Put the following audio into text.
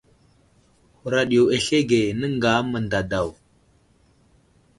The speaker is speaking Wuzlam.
Huraɗ yo aslege, nəŋga mənday daw.